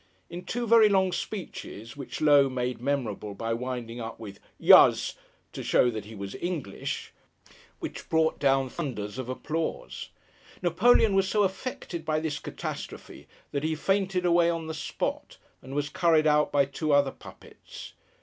In two very long speeches, which Low made memorable, by winding up with 'Yas!'—to show that he was English—which brought down thunders of applause. Napoleon was so affected by this catastrophe, that he fainted away on the spot, and was carried out by two other puppets.